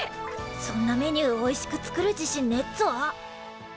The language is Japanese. そんなメニューおいしく作る自信ねっぞ。